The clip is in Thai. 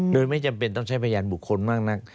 โดยไม่จำเป็นต้องใช้พยานบุคคลมากนัก